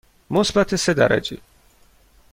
مثبت سه درجه.